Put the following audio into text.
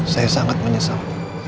saya sangat menyesal